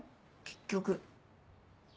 結局。